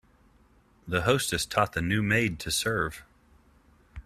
The hostess taught the new maid to serve.